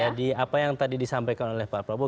jadi apa yang tadi disampaikan oleh pak prabowo